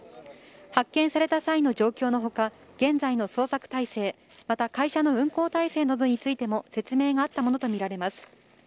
発見された際の状況のほか、現在の捜索態勢、また会社の運航体制などについても説明があったものと見られます。